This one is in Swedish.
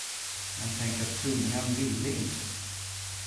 Men tänk att tungan ville inte!